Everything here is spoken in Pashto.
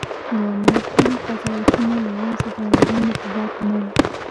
د مورخینو قضاوتونه یوازي د عیارانو په باب نه وای.